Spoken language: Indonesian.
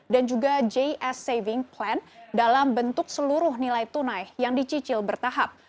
dan juga js saving plan dalam bentuk seluruh nilai tunai yang dicicil bertahap